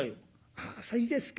「はあさいですか。